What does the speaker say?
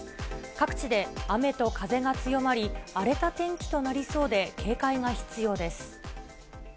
各地で雨と風が強まり、荒れた天気となりそうで警戒が必要です。